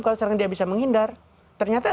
kali serangan dia bisa menghindar ternyata